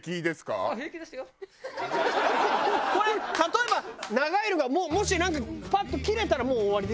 これ例えば長いのがもしなんかパッと切れたらもう終わり？